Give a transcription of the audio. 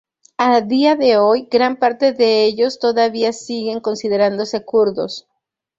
A día de hoy, gran parte de ellos todavía sigue considerándose kurdos.